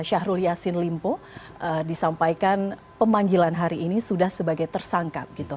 syahrul yassin limpo disampaikan pemanggilan hari ini sudah sebagai tersangka